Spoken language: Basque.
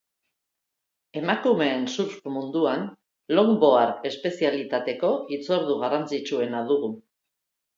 Emakumeen surf munduan, longboard espezialitateko hitzordu garrantzitsuena dugu.